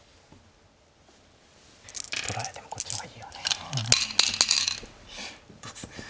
取られてもこっちの方がいいよね。